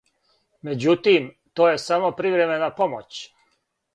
Међутим, то је само привремена помоћ.